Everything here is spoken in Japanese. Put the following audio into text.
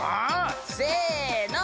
せの！